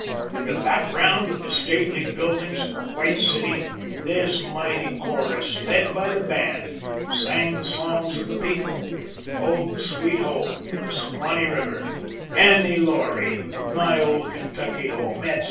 With the background of the stately buildings of the White City, this mighty chorus, led by the band, sang the songs of the people "Home, Sweet Home," "Suwanee River," "Annie Laurie," "My Old Kentucky Home," etc.